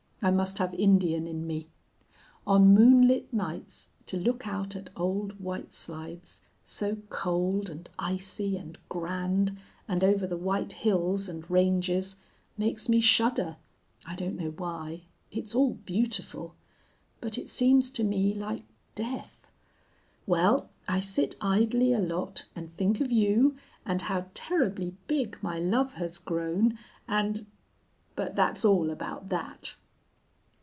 I must have Indian in me. On moonlit nights to look out at Old White Slides, so cold and icy and grand, and over the white hills and ranges, makes me shudder. I don't know why. It's all beautiful. But it seems to me like death.... Well, I sit idly a lot and think of you and how terribly big my love has grown, and ... but that's all about that!